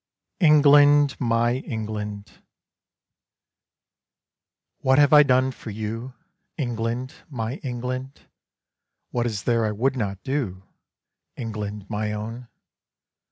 ENGLAND, MY ENGLAND What have I done for you, England, my England? What is there I would not do, England, my own?